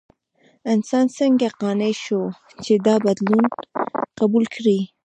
انسان څنګه قانع شو چې دا بدلون قبول کړي؟